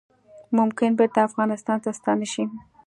ممکن بیرته افغانستان ته ستانه شي